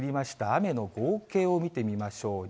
雨の合計を見てみましょう。